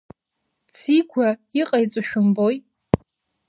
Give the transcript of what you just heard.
Ӡигәа иҟаиҵо шәымбои?!